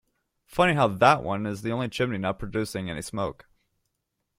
Funny how that one is the only chimney not producing any smoke.